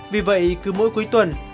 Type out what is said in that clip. vì vậy cứ mỗi cuối tuần